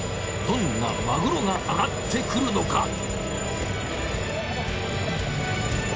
どんなマグロがあがってくるのか？